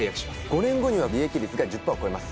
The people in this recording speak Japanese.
５年後には利益率が１０％を超えます